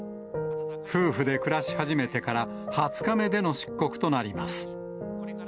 夫婦で暮らし始めてから２０日目での出国となります。